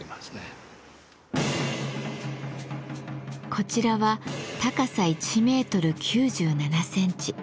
こちらは高さ１メートル９７センチ。